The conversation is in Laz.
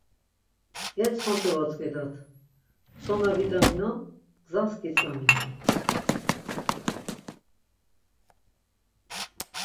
Yetxsont̆i votzǩedat, so na vidaminonan gzas gitzvaminon.